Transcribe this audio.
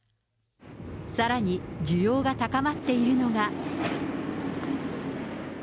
さらに需要が高まっているのが。